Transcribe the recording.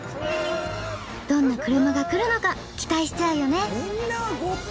どんな車が来るのか期待しちゃうよね。